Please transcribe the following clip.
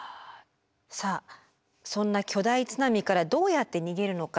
さあそんな巨大津波からどうやって逃げるのか。